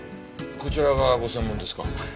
こちらがご専門ですか？